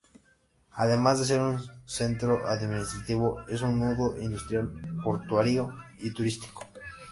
Además de ser un centro administrativo, es un nudo industrial, portuario y turístico.